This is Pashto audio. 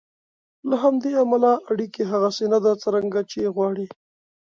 له همدې امله اړیکه هغسې نه ده څرنګه چې یې غواړئ.